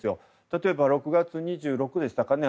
例えば６月２６でしたかね